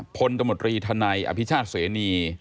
พลธันัยอภิชาเซนี